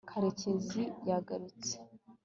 karekezi yagarutse